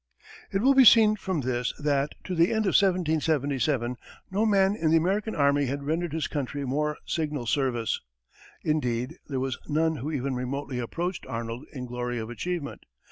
It will be seen from this that, to the end of 1777, no man in the American army had rendered his country more signal service. Indeed, there was none who even remotely approached Arnold in glory of achievement.